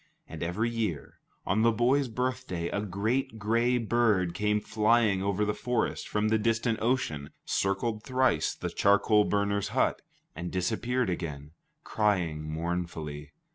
And every year, on the boy's birthday, a great gray bird came flying over the forest from the distant ocean, circled thrice the charcoal burners' hut, and disappeared again, crying mournfully.